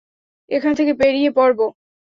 এখান থেকে বেরিয়ে পড়বো।